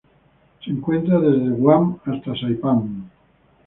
Se encuentra desde Guam hasta Saipan.